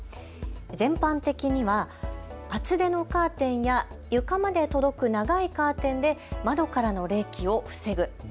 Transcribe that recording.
全般的には厚手のカーテンや床まで届く長いカーテンで窓からの冷気を防ぐ。